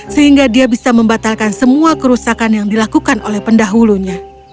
sehingga dia bisa membatalkan semua kerusakan yang dilakukan oleh pendahulunya